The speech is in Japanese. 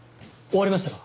終わりましたか？